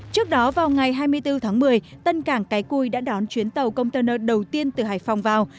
trước đó vào ngày hai mươi bốn tháng một mươi tân cảng cái cui đã đón chuyến tàu container đầu tiên từ hải phòng vào